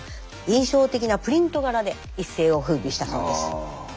印象的なプリント柄で一世を風靡したそうです。